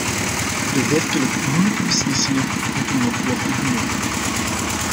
De werkelijk moeilijke beslissingen moeten nog worden genomen.